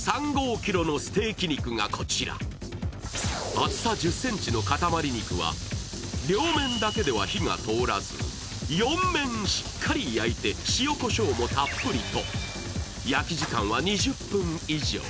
厚さ１０ｃｍの塊肉は両面だけでは火が通らず、４面しっかり焼いて塩こしょうもたっぷりと。